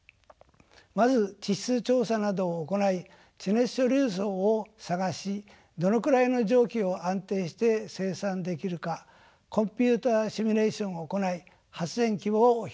まず地質調査などを行い地熱貯留層を探しどのくらいの蒸気を安定して生産できるかコンピュータ−シミュレーションを行い発電規模を評価します。